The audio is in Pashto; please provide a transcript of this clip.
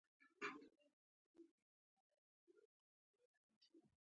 د مقولې لفظونه خپله حقیقي مانا څرګندوي